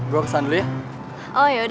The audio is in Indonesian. gue kesana dulu ya